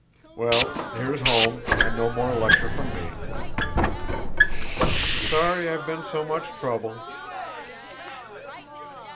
Well, here's home, and no more lecture from me." "Sorry I've been so much trouble."